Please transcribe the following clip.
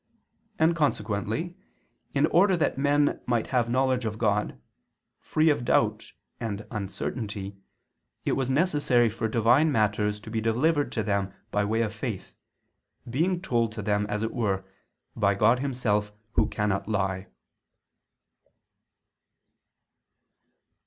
And consequently, in order that men might have knowledge of God, free of doubt and uncertainty, it was necessary for Divine matters to be delivered to them by way of faith, being told to them, as it were, by God Himself Who cannot lie.